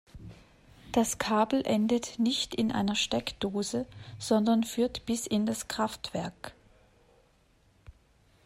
Das Kabel endet nicht in einer Steckdose, sondern führt bis in das Kraftwerk.